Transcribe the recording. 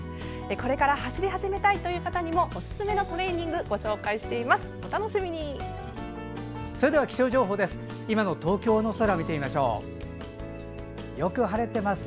これから走り始めたいという方にもおすすめのトレーニングをご紹介しています。